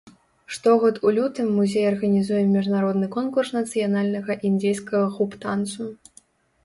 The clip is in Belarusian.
Штогод у лютым музей арганізуе міжнародны конкурс нацыянальнага індзейскага хуп-танцу.